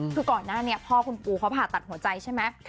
คือก่อนหน้านี้พ่อคุณปูเขาผ่าตัดหัวใจใช่ไหม